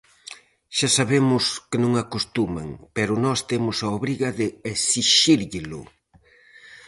Xa sabemos que non acostuman, pero nós temos a obriga de exixírllelo.